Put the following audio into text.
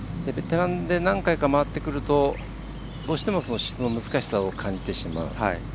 何回か回ってくるとどうしても難しさを感じてしまう。